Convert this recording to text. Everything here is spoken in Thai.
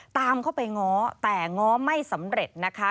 ตามเข้าไปง้อแต่ง้อไม่สำเร็จนะคะ